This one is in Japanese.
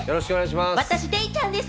私デイちゃんです。